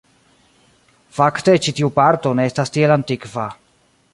Fakte ĉi tiu parto ne estas tiel antikva.